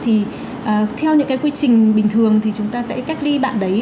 thì theo những cái quy trình bình thường thì chúng ta sẽ cách ly bạn đấy